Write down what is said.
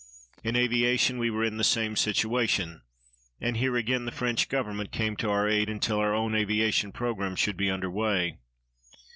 In aviation we were in the same situation, and here again the French Government came to our aid until our own aviation programme should be under way.